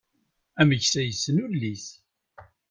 Ameksa yessen ulli-s.